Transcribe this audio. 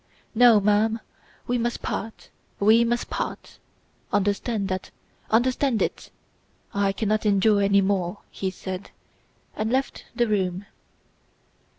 "No, ma'am! We must part, we must part! Understand that, understand it! I cannot endure any more," he said, and left the room.